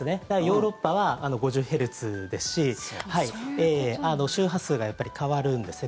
ヨーロッパは５０ヘルツですし周波数がやっぱり変わるんです。